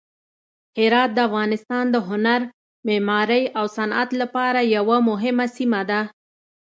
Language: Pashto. هرات د افغانستان د هنر، معمارۍ او صنعت لپاره یوه مهمه سیمه ده.